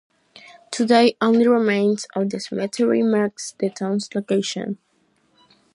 Today only remains of the cemetery mark the town's location.